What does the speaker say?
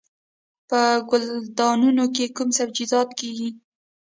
په ګلدانونو کې کوم سبزیجات کیږي؟